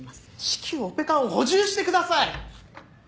至急オペ看を補充してください！